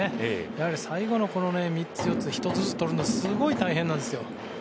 やはり最後の３つ、４つ１つずつ取るのすごく大変なんです。